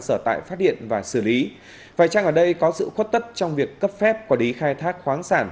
sở tại phát điện và xử lý vậy chẳng ở đây có sự khuất tất trong việc cấp phép quả đí khai thác khoáng sản